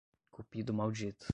Cupido maldito